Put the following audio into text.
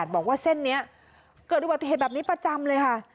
บอกว่าเส้นนี้เกิดอุบัติเหตุแบบนี้ประจำเลยค่ะ